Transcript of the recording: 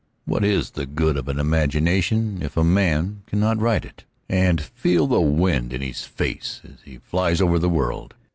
What is the good of an imagination if a man cannot ride it, and feel the wind in his face as he flies over the world?